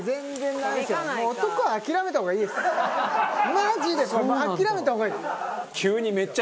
マジでこれもう諦めた方がいい。